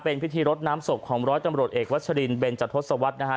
เป็นพิธีรดน้ำศพของร้อยตำรวจเอกวัชรินเบนจทศวรรษนะฮะ